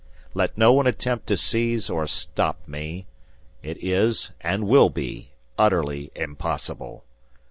Let no one attempt to seize or stop me. It is, and will be, utterly impossible.